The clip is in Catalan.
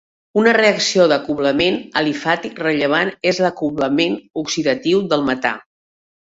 Una reacció d'acoblament alifàtic rellevant és l'acoblament oxidatiu del metà.